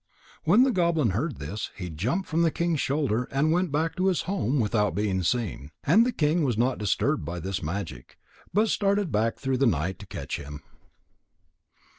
When the goblin heard this, he jumped from the king's shoulder and went back to his home without being seen. And the king was not disturbed by this magic, but started back through the night to catch him.